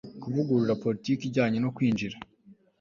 kuvugurura politiki ijyanye no kwinjira